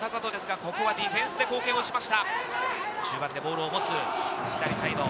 ここはディフェンスで貢献をしました。